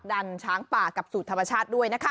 ดันช้างป่ากลับสู่ธรรมชาติด้วยนะคะ